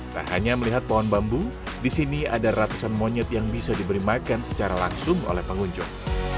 tak hanya melihat pohon bambu di sini ada ratusan monyet yang bisa diberi makan secara langsung oleh pengunjung